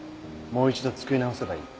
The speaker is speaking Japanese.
もう一度作り直せばいい。